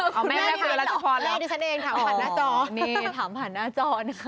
ถามผ่านหน้าจอ